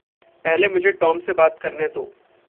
पहले मुझे टॉम से बात करने दो।